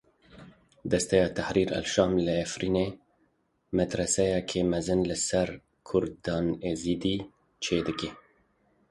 Desteya Tehrîr el-Şam li Efrînê metirsiyeke mezin li ser Kurdên Êzdî çê dike.